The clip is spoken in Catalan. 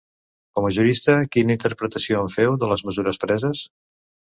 Com a jurista, quina interpretació en feu, de les mesures preses?